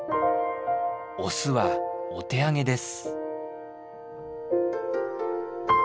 オスはお手上げです。